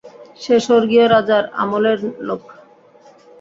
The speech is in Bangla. সে স্বর্গীয় রাজার আমলের লোক।